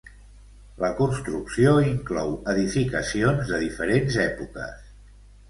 La construcció inclou edificacions de diferents èpoques.